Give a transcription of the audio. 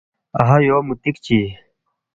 اَہا یو مُوتِک چی